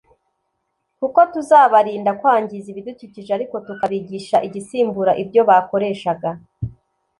kuko tuzabarinda kwangiza ibidukikije ariko tukabigisha igisimbura ibyo bakoreshaga